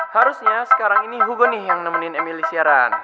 harusnya sekarang ini hugo nih yang nemenin emily siaran